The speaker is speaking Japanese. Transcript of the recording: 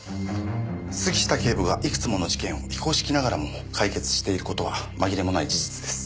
杉下警部がいくつもの事件を非公式ながらも解決している事は紛れもない事実です。